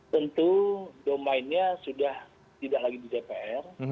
tentu domainnya sudah tidak lagi di dpr